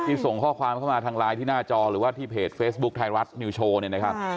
ส่งข้อความเข้ามาทางไลน์ที่หน้าจอหรือว่าที่เพจเฟซบุ๊คไทยรัฐนิวโชว์เนี่ยนะครับ